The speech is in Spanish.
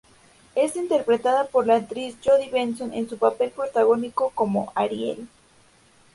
Es interpretada por la actriz Jodi Benson en su papel protagónico como Ariel.